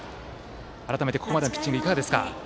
改めてここまでのピッチングはいかがですか？